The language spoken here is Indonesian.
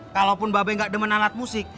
kalaupun ba be gak demen alat musik